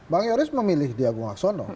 bang yoris memilih di agung laksono